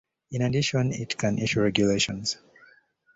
In addition, it can issue regulations.